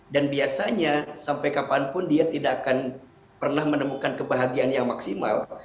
dan biasanya sampai kapanpun dia tidak akan pernah menemukan kebahagiaan yang maksimal